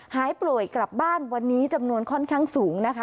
หายป่วยกลับบ้านวันนี้จำนวนค่อนข้างสูงนะคะ